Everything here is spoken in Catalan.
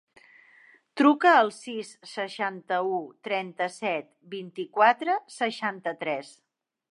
Truca al sis, seixanta-u, trenta-set, vint-i-quatre, seixanta-tres.